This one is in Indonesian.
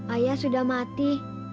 ayah sudah mati